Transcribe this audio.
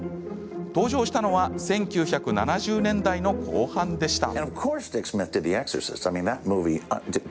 登場したのは１９７０年代の後半でした。